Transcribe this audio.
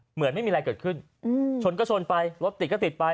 เหมือนไม่มีอะไรเกิดขึ้นชนก็ชนไปรถติดก็ติดไป